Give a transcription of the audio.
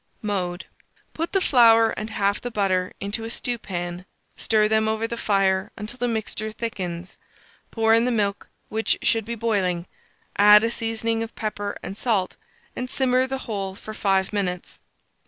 Mode. Put the flour and half the butter into a stewpan; stir them over the fire until the mixture thickens; pour in the milk, which should be boiling; add a seasoning of pepper and salt, and simmer the whole for 5 minutes.